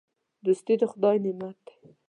دوستي د خدای نعمت دی.